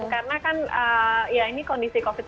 karena kan ini kondisi kondisi